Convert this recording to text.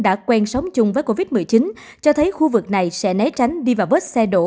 đã quen sống chung với covid một mươi chín cho thấy khu vực này sẽ né tránh đi vào vết xe đổ